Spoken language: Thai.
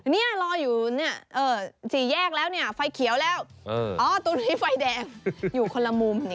เราอยู่สีแยกแล้วนี่ฟัยเขียวแล้วตรงนี้ไฟแดงอยู่คนละมุม